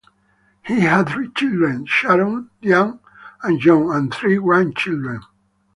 He had three children, Sharon, Diane, and John, and three grandchildren.